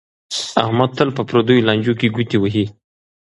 احمد تل په پردیو لانجو کې گوتې وهي